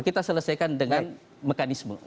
kita selesaikan dengan mekanisme